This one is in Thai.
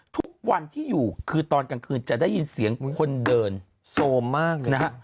ทุกวันที่อยู่คือตอนกลางคืนจะได้ยินเสียงคนเดินโซมมากเลยนะฮะ